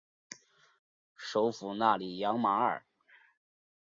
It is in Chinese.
首府纳里扬马尔。